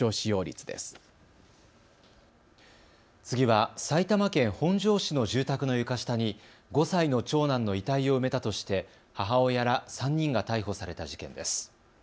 次は埼玉県本庄市の住宅の床下に５歳の長男の遺体を埋めたとして母親ら３人が逮捕された事件です。